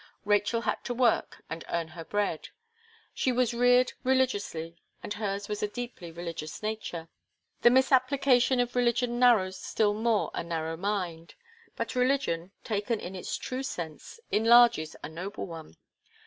Rachel had to work, and earn her bread. She was reared religiously, and hers was a deeply religious nature. The misapplication of religion narrows still more a narrow mind, but religion, taken in its true sense, enlarges a noble one.